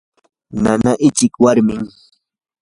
nanaa hiqchi warmim.